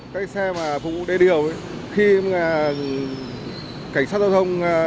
cái xe mà phục vụ đề điều khi cảnh sát giao thông